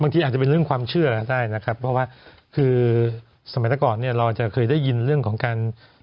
ที่อาจจะเป็นเรื่องความเชื่อได้นะครับเพราะว่าคือสมัยก่อนเนี่ยเราจะเคยได้ยินเรื่องของการ